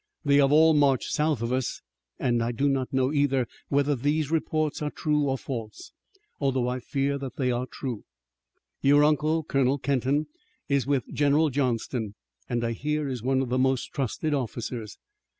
They have all marched south of us, and I do not know either whether these reports are true or false, though I fear that they are true. Your uncle, Colonel Kenton, is with General Johnston, and I hear is one of his most trusted officers.